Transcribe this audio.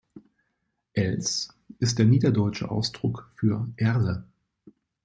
Els ist der niederdeutsche Ausdruck für Erle.